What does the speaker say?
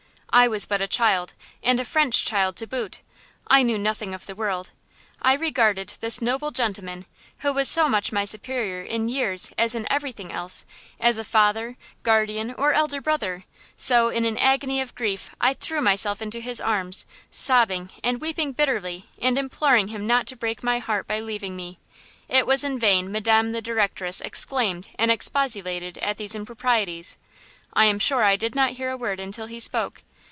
I was but a child, and a French child to boot. I knew nothing of the world; I regarded this noble gentleman, who was so much my superior in years as in everything else as a father, guardian or elder brother; so in an agony of grief I threw myself into his arms, sobbing and weeping bitterly and imploring him not to break my heart by leaving me. It was in vain Madame the Directress exclaimed and expostulated at these improprieties. I am sure I did not hear a word until he spoke.